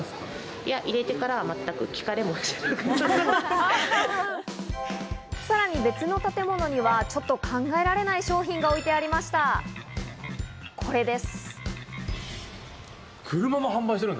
いや、入れてからは全く聞かさらに、別の建物にはちょっと考えられない商品が置いてありました、これです。